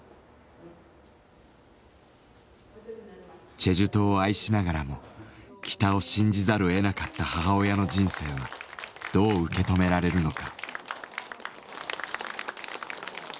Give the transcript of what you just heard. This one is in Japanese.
チェジュ島を愛しながらも北を信じざるをえなかった母親の人生はどう受け止められるのか。